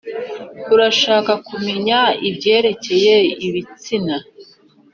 Urashaka kumenya ibyerekeye ibitsina